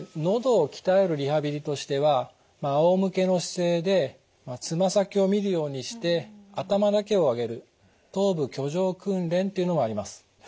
のどを鍛えるリハビリとしてはあおむけの姿勢でつま先を見るようにして頭だけを上げる頭部挙上訓練というのがあります。